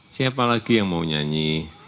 siapa lagi yang mau nyanyi